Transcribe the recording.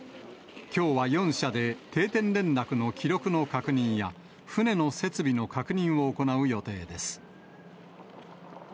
きょうは４社で定点連絡の記録の確認や、船の設備の確認を行う予定です。